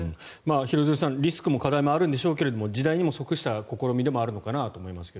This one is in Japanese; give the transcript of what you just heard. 廣津留さん、リスクも課題もあるんでしょうけど時代にも即した試みでもあるのかなと思いますが。